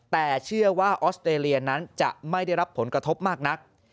แต่เชื่อว่าออสเตรเลียนั้นจะไม่ได้รับผลกระทบมากนัก